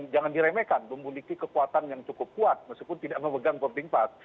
jangan diremehkan memiliki kekuatan yang cukup kuat meskipun tidak memegang boarding pass